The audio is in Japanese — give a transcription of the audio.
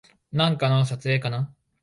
なんかの撮影かな